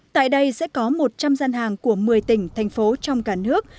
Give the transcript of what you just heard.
tại đây sẽ có một trăm linh gian hàng của một mươi tỉnh thành phố trong cả nước